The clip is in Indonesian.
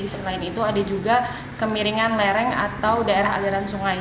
selain itu ada juga kemiringan lereng atau daerah aliran sungai